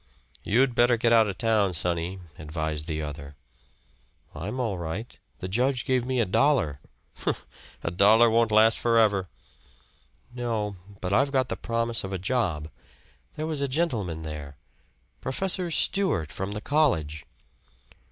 "You'd better get out of town, sonny," advised the other. "I'm all right. The judge gave me a dollar." "Humph! A dollar won't last forever." "No. But I've got the promise of a job. There was a gentleman there Professor Stewart, from the college."